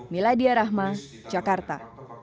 miladia rahma jakarta